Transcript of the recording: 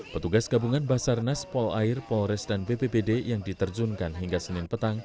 petugas gabungan basarnas polair polres dan bppd yang diterjunkan hingga senin petang